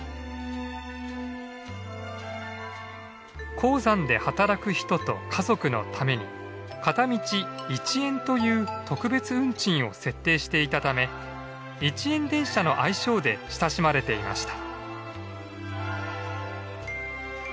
鉱山で働く人と家族のために片道１円という特別運賃を設定していたため「一円電車」の愛称で親しまれていました。